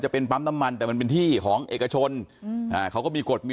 เป็นปั๊มน้ำมันแต่มันเป็นที่ของเอกชนอืมอ่าเขาก็มีกฎมี